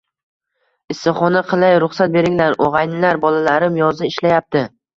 issiqxona qilay, ruxsat beringlar, og‘aynilar, bolalarim yozda ishlayapti